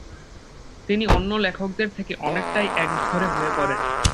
তিনি অন্য লেখকদের থেকে অনেকটাই একঘরে হয়ে পড়েন।